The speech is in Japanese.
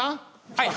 はい。